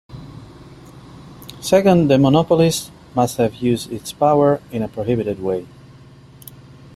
Second, the monopolist must have used its power in a prohibited way.